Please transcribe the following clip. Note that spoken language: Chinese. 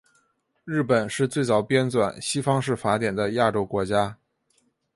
日本是最早编纂西方式法典的亚洲国家。